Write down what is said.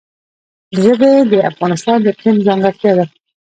ژبې د افغانستان د اقلیم ځانګړتیا ده.